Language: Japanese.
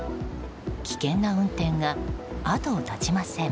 危険な運転が後を絶ちません。